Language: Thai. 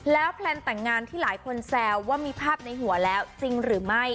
แล้วแพลนแต่งงานที่หลายคนแซวว่ามีภาพในหัวแล้วจริงหรือไม่